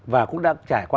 và cũng đã trải qua